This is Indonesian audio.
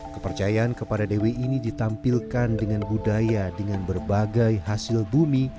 kepercayaan kepada dewi ini ditampilkan dengan budaya dengan berbagai hasil bumi